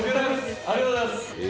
ありがとうございます。